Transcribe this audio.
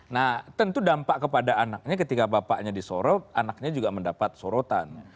nah tentu dampak kepada anaknya ketika bapaknya disorot anaknya juga mendapat sorotan